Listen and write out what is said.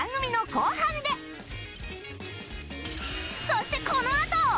そしてこのあと